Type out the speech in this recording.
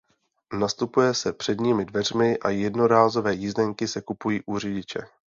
Nastupuje se předními dveřmi a jednorázové jízdenky se kupují u řidiče.